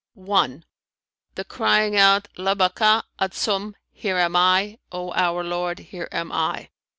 "(1) The crying out 'Labbay'ka, Adsum, Here am I, O our Lord, here am I!'